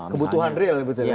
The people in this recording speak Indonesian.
kebutuhan real ya betulnya